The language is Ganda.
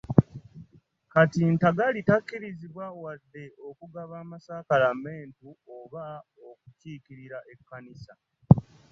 Kati Ntagali takkirizibwa wadde okugaba amasakaramentu oba okukiikirira ekkanisa.